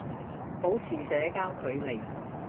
保持社交距離